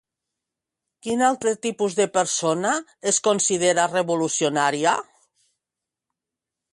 Quin altre tipus de persona es considera revolucionària?